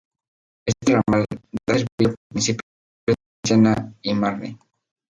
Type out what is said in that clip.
Este ramal da servicio a municipios de la provincia de Sena y Marne.